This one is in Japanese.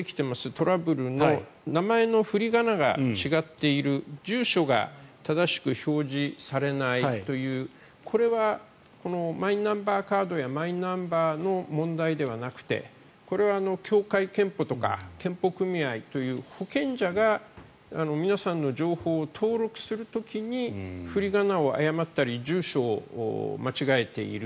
トラブルの名前の振り仮名が違っている住所が正しく表示されないというこれはマイナンバーカードやマイナンバーの問題ではなくてこれは協会けんぽとか健保組合という保険者が皆さんの情報を登録する時に振り仮名を誤ったり住所を間違えている。